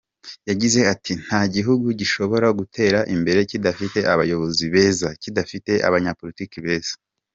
Yagize ati “Nta gihugu gishobora gutera imbere kidafite abayobozi beza, kidafite abanyapolitiki beza.